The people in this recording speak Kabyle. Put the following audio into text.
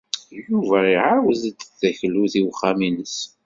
Yuba iɛawed-d taklut i uxxam-nnes.